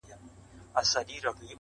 پوه انسان له حقیقت سره مینه لري،